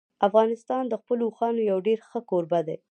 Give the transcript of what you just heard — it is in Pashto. افغانستان د خپلو اوښانو یو ډېر ښه کوربه دی.